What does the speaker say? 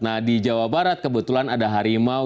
nah di jawa barat kebetulan ada harimau